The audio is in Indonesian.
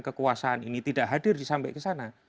kekuasaan ini tidak hadir sampai ke sana